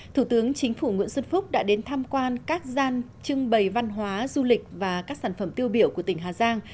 thủ tướng chính phủ nguyễn xuân phúc đã đến tham quan các gian trưng bày văn hóa du lịch và các sản phẩm tiêu biểu của tỉnh hà giang